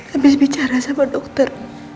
abis bicara sama dokter